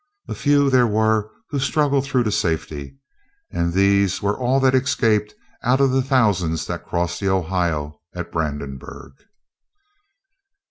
A few there were who struggled through to safety, and these were all that escaped of the thousands that crossed the Ohio at Brandenburg.